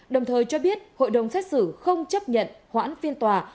đồng thời cho biết hội đồng xét xử không chấp nhận hoãn phiên tòa